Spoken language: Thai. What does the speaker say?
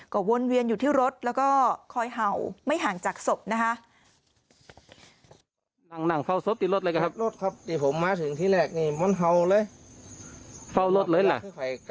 ก็วนเวียนอยู่ที่รถแล้วก็คอยเห่าไม่ห่างจากศพนะคะ